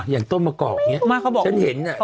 อย่างต้นประกอบนี้